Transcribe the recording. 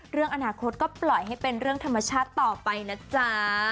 เรื่องอนาคตก็ปล่อยให้เป็นเรื่องธรรมชาติต่อไปนะจ๊ะ